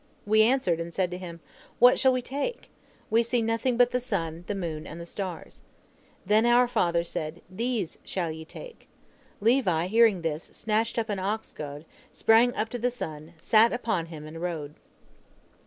We answered, and said to him, 'What shall we take? We see nothing but the sun, the moon, and the stars.' Then our father said: 'These shall ye take!' Levi, hearing this, snatched up an ox goad, sprang up to the sun, sat upon him, and rode.